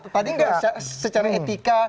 tadi kan secara etika